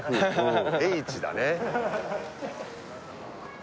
「Ｈ」だね